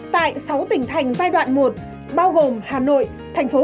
tại sáu tỉnh thành giai đoạn một bao gồm hà nội tp hcm quảng ninh hải phòng